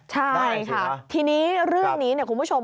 ใช่ค่ะทีนี้เรื่องนี้คุณผู้ชม